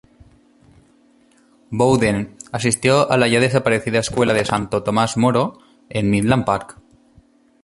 Bowden asistió a la ya desaparecida Escuela de Santo Tomás Moro en Midland Park.